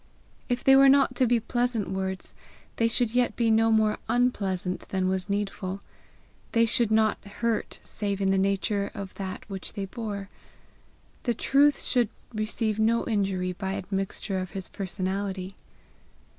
If they were not to be pleasant words, they should yet be no more unpleasant than was needful; they should not hurt save in the nature of that which they bore; the truth should receive no injury by admixture of his personality.